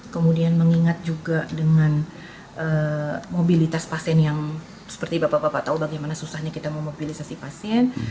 kemudian mengingat juga dengan mobilitas pasien yang seperti bapak bapak tahu bagaimana susahnya kita memobilisasi pasien